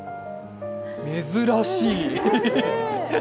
珍しい！